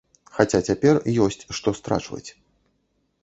Хаця цяпер ёсць што страчваць.